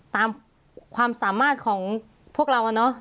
ตามความสามารถของพวกเรา